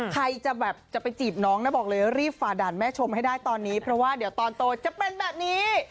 ใครจะแบบจะไปจีบน้องนะบอกเลยรีบฝ่าด่านแม่ชมให้ได้ตอนนี้เพราะว่าเดี๋ยวตอนโตจะเป็นแบบนี้